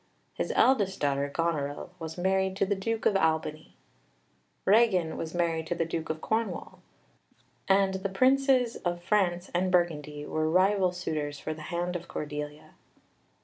His eldest daughter, Goneril, was married to the Duke of Albany; Regan was married to the Duke of Cornwall; and the Princes of France and Burgundy were rival suitors for the hand of Cordelia.